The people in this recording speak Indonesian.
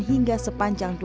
hingga sepanjang dua km